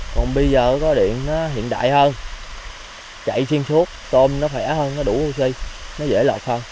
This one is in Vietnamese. còn bây giờ có điện nó hiện đại hơn chạy chuyên thuốc tôm nó khỏe hơn nó đủ oxy nó dễ lọt hơn